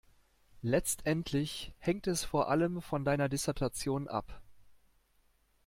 Letztendlich hängt es vor allem von deiner Dissertation ab.